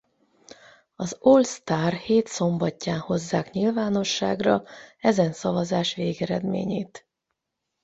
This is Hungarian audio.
Az All-Star hét szombatján hozzák nyilvánosságra ezen szavazás végeredményét.